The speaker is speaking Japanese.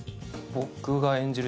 僕が演じる